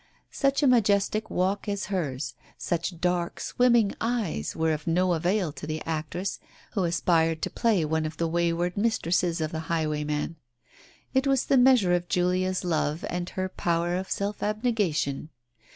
Such a majestic walk as hers, such dark swimming eyes were of no avail to the actress who aspired to play one of the wayward mis tresses of the highwayman. It was the measure of Julia's love and her power of self abnegation.